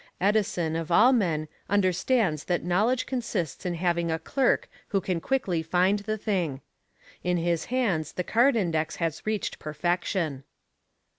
Edison of all men understands that knowledge consists in having a clerk who can quickly find the thing. In his hands the card index has reached perfection.